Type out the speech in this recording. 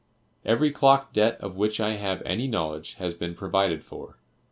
Every clock debt of which I have any knowledge has been provided for.